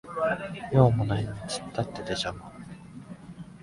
用もないのに突っ立ってて邪魔